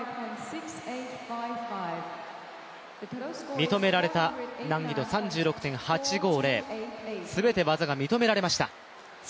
認められた難易度３６．８５０、全て技が認められました。